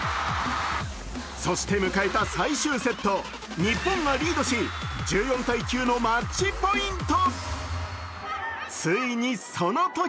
そして迎えた最終セット日本がリードし、１４−９のマッチポイント。